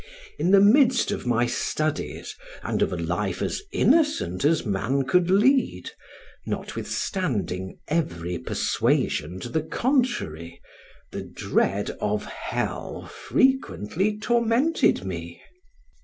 In the midst of my studies, and of a life as innocent as man could lead, notwithstanding every persuasion to the contrary, the dread of hell frequently tormented me.